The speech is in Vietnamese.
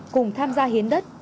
cùng tham gia hiến đất